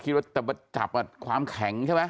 คิดว่าจับอะความแข็งใช่ไหม